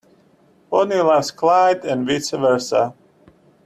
Bonnie loves Clyde and vice versa.